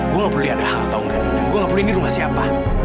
gue gak peduli ada hal atau enggak gue gak peduli ini rumah siapa